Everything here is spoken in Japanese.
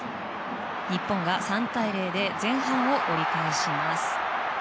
日本が３対０で前半を折り返します。